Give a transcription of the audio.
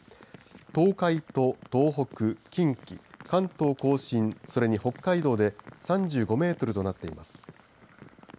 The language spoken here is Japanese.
東海と東北、近畿関東甲信、それに北海道で３５メートルとなっています。